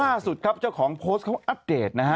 ล่าสุดครับเจ้าของโพสต์เขาอัปเดตนะฮะ